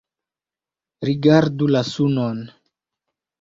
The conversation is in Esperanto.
Rigardu la sunon!